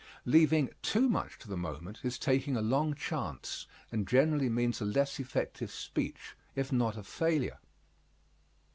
Leaving too much to the moment is taking a long chance and generally means a less effective speech, if not a failure.